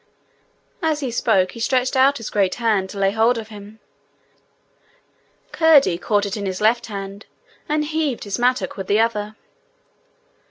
As he spoke, he stretched out his great hand to lay hold of him. Curdie caught it in his left hand, and heaved his mattock with the other.